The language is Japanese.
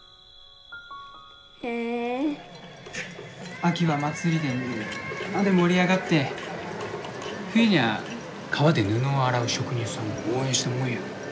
秋は祭りでみんなで盛り上がって冬にゃ川で布を洗う職人さんを応援したもんや。